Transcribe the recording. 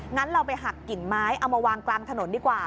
งั้นเราไปหักกิ่งไม้เอามาวางกลางถนนดีกว่า